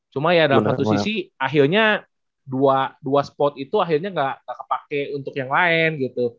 cuma ya dalam satu sisi akhirnya dua spot itu akhirnya nggak kepake untuk yang lain gitu